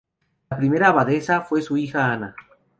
La primera abadesa fue su hija Ana.